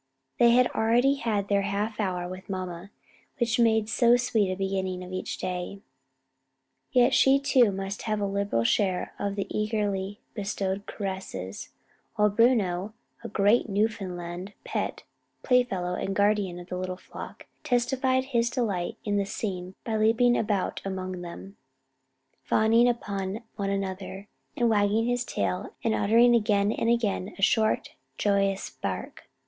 They had already had their half hour with mamma, which made so sweet a beginning of each day, yet she too must have a liberal share of the eagerly bestowed caresses; while Bruno, a great Newfoundland, the pet, playfellow, and guardian of the little flock, testified his delight in the scene by leaping about among them, fawning upon one and another, wagging his tail, and uttering again and again a short, joyous bark.